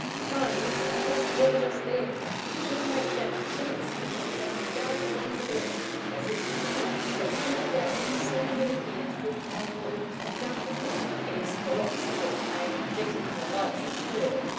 "No, miss least of all just then. She'll make that a pretense for not going a yard from the bed as if me that's been about him so many years didn't know what ought to be done with him in his paroxes of pain better than the likes of her!